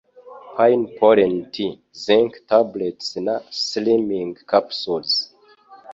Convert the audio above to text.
Pine pollen tea, Zinc tablets na Slimming Capsules